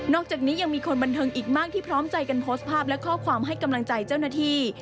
อกจากนี้ยังมีคนบันเทิงอีกมากที่พร้อมใจกันโพสต์ภาพและข้อความให้กำลังใจเจ้าหน้าที่